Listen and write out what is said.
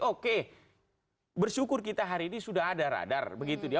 oke bersyukur kita hari ini sudah ada radar begitu dia